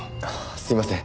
すいません。